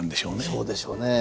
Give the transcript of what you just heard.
そうでしょうね。